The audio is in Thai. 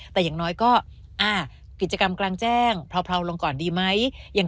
แต่อย่างน้อยก็กิจกรรมกลางแจ้งเพราลงก่อนดีไหม